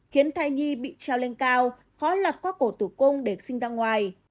khiến thai nhi bị treo lên cao khó lật qua cổ tử cung để sinh ra ngoài